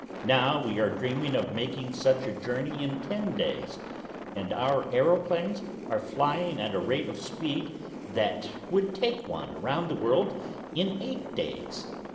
Now we are dreaming of making such a journey in ten days and our aeroplanes are flying at a rate of speed that would take one around the world in eight days.